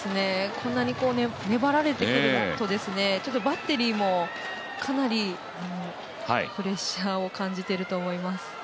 こんなに粘られてくるとバッテリーもかなりプレッシャーを感じていると思います。